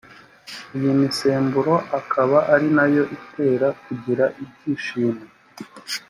iyi misemburo akaba ari nayo itera kugira ibyishimo